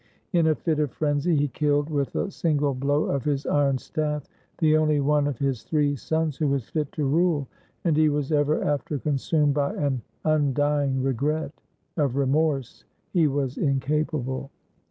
In a fit of frenzy he killed with a 49 RUSSIA single blow of his iron staff the only one of his three sons who was fit to rule, and he was ever after consumed by an undying regret : of remorse he was incapable.